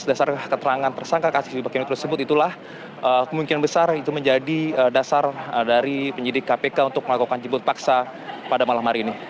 dasar keterangan tersangka kasipakeno tersebut itulah kemungkinan besar itu menjadi dasar dari penyidik kpk untuk melakukan jemput paksa pada malam hari ini